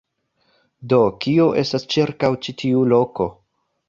Do, kio estas ĉirkaŭ ĉi tiu loko?